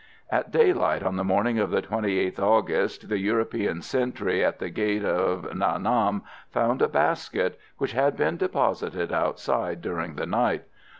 At daylight on the morning of the 28th August, the European sentry at the gate of Nha Nam found a basket, which had been deposited outside during the night.